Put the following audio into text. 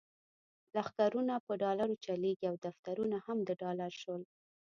لښکرونه په ډالرو چلیږي او دفترونه هم د ډالر شول.